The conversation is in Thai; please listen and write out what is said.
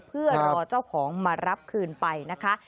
เพื่อรอเจ้าของมารับคืนไปนะคะ